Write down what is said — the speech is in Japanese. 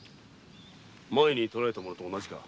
前に捕えた者と同じか？